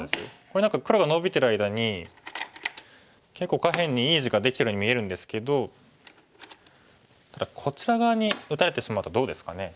これ何か黒がノビてる間に結構下辺にいい地ができてるように見えるんですけどただこちら側に打たれてしまうとどうですかね。